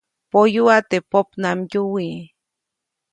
Poyuʼa teʼ popnamdyuwi.